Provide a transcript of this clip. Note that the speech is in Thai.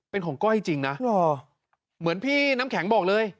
เป็นของก้อยจริงนะเหมือนพี่น้ำแข็งบอกเลย